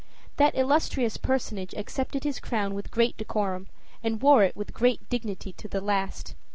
That illustrious personage accepted his crown with great decorum, and wore it with great dignity to the last.